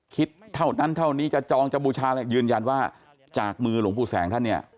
คิดเท่านั้นเท่านี้จะจองจะบูชาอะไรยืนยันว่าจากมือหลวงปู่แสงท่านเนี่ย